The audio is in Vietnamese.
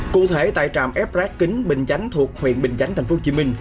cụ thể tại trạm ép rác kính bình chánh thuộc huyện bình chánh tp hcm